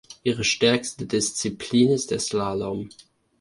Ihre stärkste Disziplin ist der Slalom.